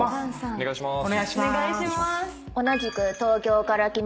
お願いしまーす。